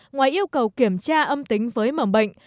ngoài yêu cầu kiểm tra âm tính với mầm bệnh